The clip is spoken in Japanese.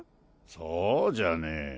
そうじゃねぇ。